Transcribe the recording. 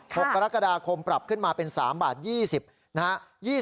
๖กรกฎาคมปรับขึ้นมาเป็น๓บาท๒๐นะฮะ